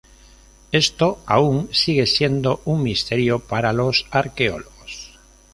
Esto aún sigue siendo un misterio para los arqueólogos.